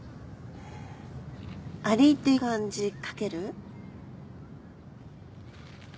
アリって漢字書ける？